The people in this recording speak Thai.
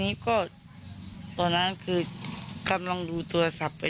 มีความภูมิอรู้สึกว่าจากที่นี่